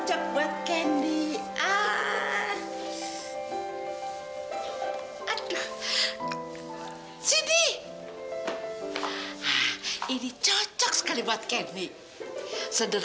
aku tidak kerja pack yang bakal datang